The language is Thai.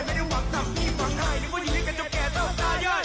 ไม่ได้หวังต่างที่หวังไทยอย่างว่าอยู่ด้วยกันจบแก่ต้องตาย